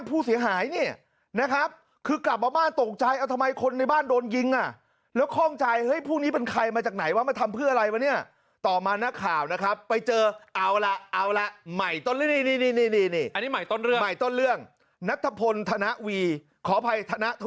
อืมซึ่งหลานชายเนี่ยน้องชายเราเนี่ยไม่ได้รู้เรื่องอะไรเลย